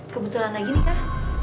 kebetulan lagi nih kak